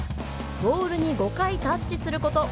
ボールに５回タッチすること。